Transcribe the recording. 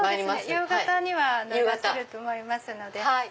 夕方にはいらっしゃると思いますので。